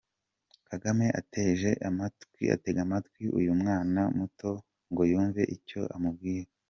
Kagame atega amatwi uyu mwana muto ngo yumve icyo amubwira.